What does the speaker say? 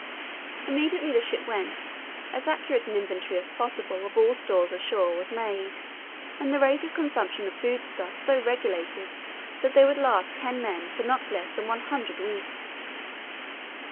"Immediately the ship went as accurate an inventory as possible of all stores ashore was made, and the rate of consumption of food stuffs so regulated that they would last ten men for not less than one hundred weeks.